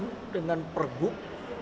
kita atur dengan perguk